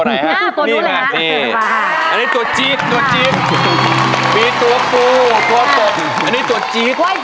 ไวพีแพลเวทฟาช